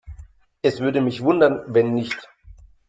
Es würde mich wundern, wenn nicht.